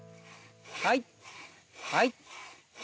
はいはい。